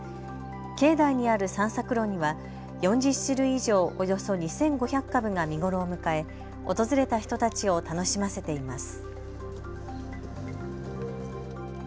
境内にある散策路には４０種類以上およそ２５００株が見頃を迎え訪れた人たちを楽しませています。